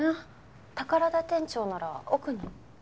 宝田店長なら奥に。